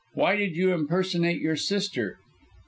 Why did you impersonate your sister?"